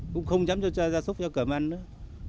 cũng không dám cho ra súc cho cởi măn nữa